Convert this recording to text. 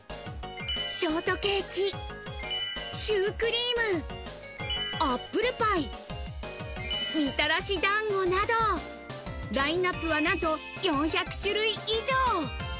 ショートケーキ、シュークリーム、アップルパイ、みたらしだんごなど、ラインナップはなんと４００種類以上。